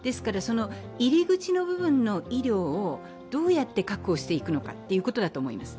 入り口の部分の医療をどうやって確保していくのかということだと思います。